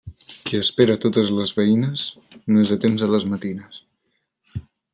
Qui espera totes les veïnes, no és a temps a les matines.